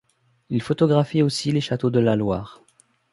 Il photographie aussi les châteaux de la Loire.